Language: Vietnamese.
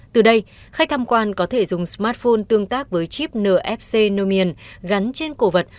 từ đây khách tham quan có thể dùng smartphone tương tác với chip nfc nomien gắn trên cổ vật